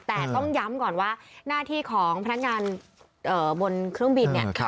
แต่ต้องย้ำก่อนว่าหน้าที่ของพนักงานบนเครื่องบินเนี่ย